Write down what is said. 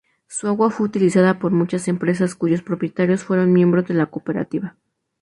Su agua fue utilizada por muchas empresas cuyos propietarios fueron miembros de la cooperativa.